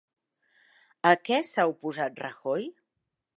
A què s'ha oposat Rajoy?